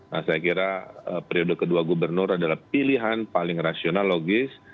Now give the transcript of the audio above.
nah saya kira periode kedua gubernur adalah pilihan paling rasional logis